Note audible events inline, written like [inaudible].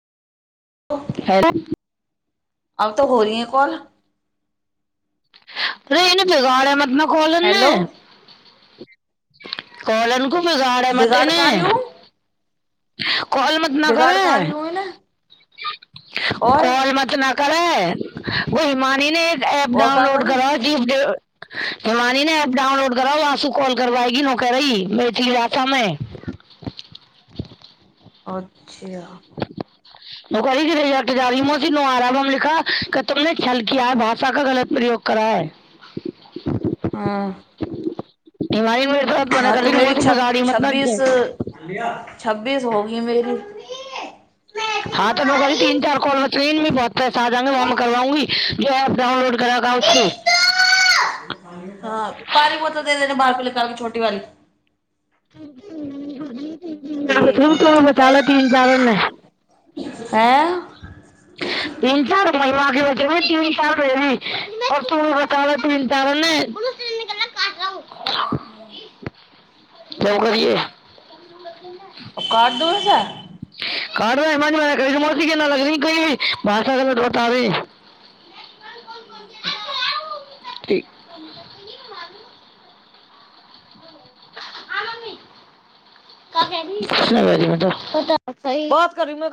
[unintelligible] अब तो हो रही है कॉल ट्रेन बिगाड़े मतलब खोल ने हेलो कोलरू को बेगाड़ मते बिगाड़ ने कहाँ रही हूँ [unintelligible] कॉल मत न बिगाड़ करै कहाँ रही हूँ ना और कॉल मत न करै। वो मानी ने ऐप और क्या डाउनलोड करूँ करो दीप देव रमानी ने एप डाउनलोड करा वंसू कॉल करबाएगी ओकर रही मैठ जाथा मै अच्छा वो कह रही मौसी नोआरा लिखा क तुमने छल किया ह भाषा का गलत प्रयोग करा है। हँ हिमानी ने मेरे साथ मना हँ कर तो दी मेरी मोसी छ बिगाड़ी मत ना छ्बीस छब्बीस हो गये मेरी भी। हँ त न कही तीन चार कॉल बच गयी। मतलब बहुत पैसा जायंगे वहं करवाउंगी जो एप डाउनलोड करेगा उससे ह पानी बोतल दे देने बाहर पहले करक छोटी बाली ठीक है [unintelligible] हैं [unintelligible] अब तीन चार महिला तीन चार तू बता द तीन चार कर ओ काट दू सँ कट रह मोसी के ना लग रही कही भी भाषा गलत बताबी ठीक ठीक क्या कर रही बात कर रही हूँ बेटा